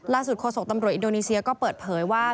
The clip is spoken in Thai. โฆษกตำรวจอินโดนีเซียก็เปิดเผยว่า